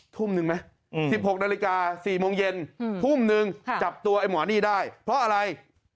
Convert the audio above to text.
ทุ่มนึงไหม๑๖นาฬิกา๔โมงเย็นทุ่มนึงจับตัวไอ้หมอนี่ได้เพราะอะไร